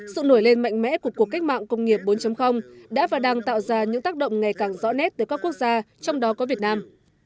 sự nổi lên mạnh mẽ của cuộc cách mạng công nghiệp bốn đã và đang tạo ra những tác động ngày càng rõ nét tới các quốc gia trong đó có việt nam